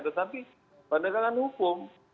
tetapi penegakan hukum